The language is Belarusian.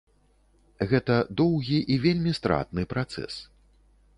Гэта доўгі і вельмі стратны працэс.